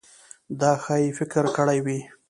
ده ښايي فکر کړی وي.